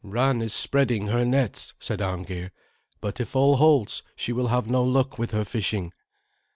"Ran is spreading her nets," said Arngeir, "but if all holds, she will have no luck with her fishing."